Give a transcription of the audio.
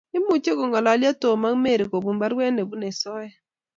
Imuchi kongalyo Tom ak Mary kobun baruet nebunei soet